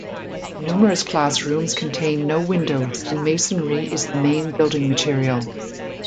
Numerous classrooms contain no windows and masonry is the main building material.